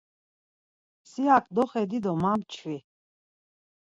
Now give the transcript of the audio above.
Si hak doxedi do ma mçvi!